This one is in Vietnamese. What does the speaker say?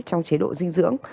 trong chế độ dinh dưỡng